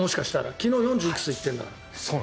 昨日４０いくつ行っているんだから。